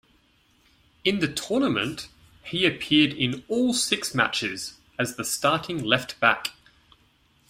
In the tournament, he appeared in all six matches as the starting left-back.